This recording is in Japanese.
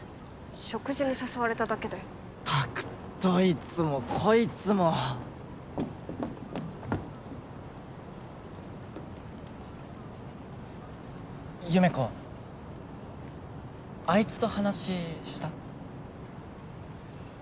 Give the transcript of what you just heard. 食事に誘われただけでったくどいつもこいつも優芽子あいつと話した？